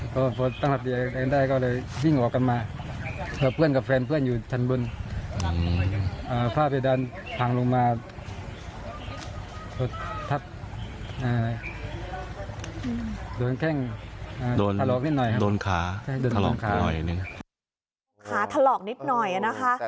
ขาทะลอกนิดหน่อยนะค่ะ